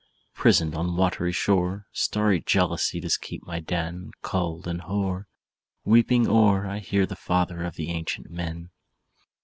"Prisoned on watery shore, Starry jealousy does keep my den Cold and hoar; Weeping o'er, I hear the father of the ancient men.